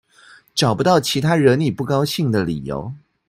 找不到其他惹你不高興的理由